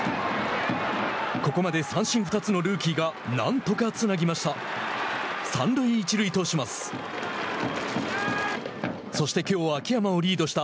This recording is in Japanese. ここまで三振２つのルーキーがなんとかつなぎました。